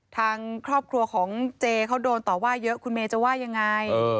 ทางครอบครัวของเจเขาโดนต่อว่าเยอะคุณเมย์จะว่ายังไง